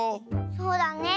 そうだね。